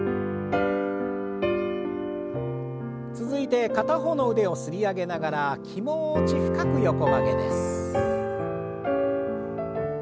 続いて片方の腕をすり上げながら気持ち深く横曲げです。